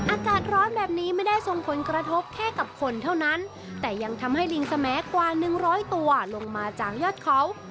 อากาศร้อนแบบนี้ไม่ได้ส่งผลกระทบแค่กับคนเท่านั้นแต่ยังทำให้ลิงสมัยกว่าหนึ่งร้อยตัวลงมาจากยอดเขา